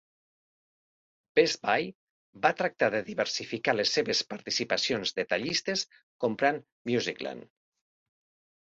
Best Buy va tractar de diversificar les seves participacions detallistes comprant Musicland.